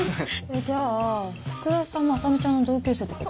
じゃあ福田さんも麻美ちゃんの同級生ってこと？